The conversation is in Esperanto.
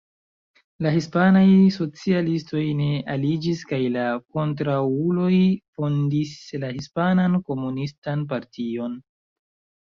La hispanaj socialistoj ne aliĝis kaj la kontraŭuloj fondis la Hispanan Komunistan Partion.